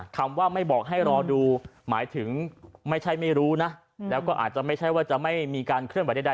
คำว่าไม่บอกให้รอดูหมายถึงไม่ใช่ไม่รู้นะแล้วก็อาจจะไม่ใช่ว่าจะไม่มีการเคลื่อนไหวใด